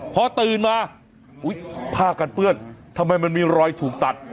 พอตื่นมาผ้ากันเปื้อนทำไมมันมีรอยถูกตัด